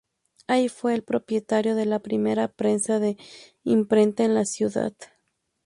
Allí fue el propietario de la primera prensa de imprenta en la ciudad.